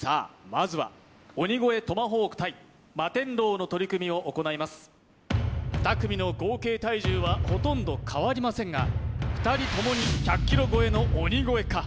まずは鬼越トマホーク対マテンロウの取組を行います二組の合計体重はほとんど変わりませんが二人ともに１００ｋｇ超えの鬼越か